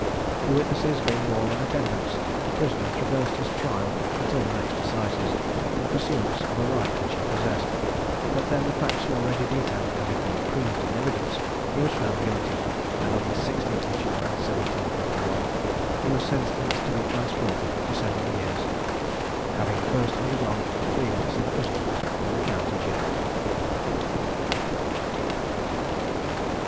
The witnesses being all in attendance, the prisoner traversed his trial until the next assizes, in pursuance of a right which he possessed; but then the facts already detailed having been proved in evidence, he was found guilty, and on the 16th July 1751, he was sentenced to be transported for seven years, having first undergone three months' imprisonment in the County Jail.